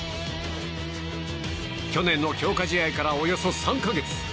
去年の強化試合からおよそ３か月。